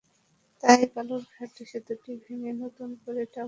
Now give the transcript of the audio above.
তাই কালুরঘাট সেতুটি ভেঙে নতুন করে ডাবল লাইনের সেতু করার প্রয়োজন আছে।